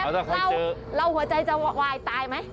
ตายแล้วแล้วหัวใจจะหวากวายตายไหม